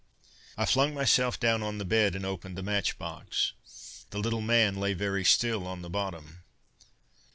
I flung myself down on the bed and opened the matchbox. The little man lay very still on the bottom.